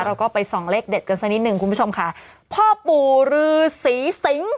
เราก็ไปซองเลขเด็ดซะนิดนึงคุณผู้ชมค่ะผ้าปู่รือศรีศิงศ์